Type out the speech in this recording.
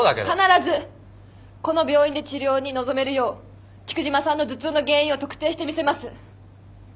必ずこの病院で治療に臨めるよう菊島さんの頭痛の原因を特定してみせます。